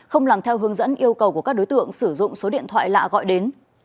không làm theo hướng dẫn yêu cầu của các đối tượng sử dụng số điện thoại lạ gọi đến